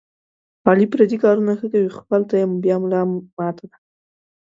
علي پردي کارونه ښه کوي، خو خپل ته یې بیا ملا ماته ده.